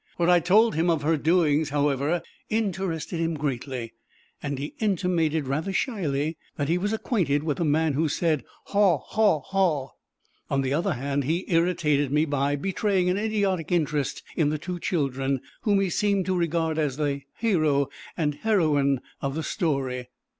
What I told him of her doings, however, interested him greatly; and he intimated rather shyly that he was acquainted with the man who said, "Haw haw haw." On the other hand, he irritated me by betraying an idiotic interest in the two children, whom he seemed to regard as the hero and heroine of the story.